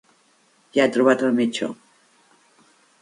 Ja he trobat el mitjó.